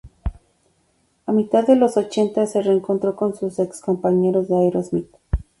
A mitad de los ochenta se reencontró con sus ex compañeros de Aerosmith.